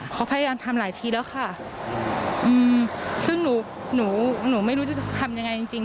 เขาพยายามทำหลายทีแล้วค่ะอืมซึ่งหนูหนูไม่รู้จะทำยังไงจริงจริง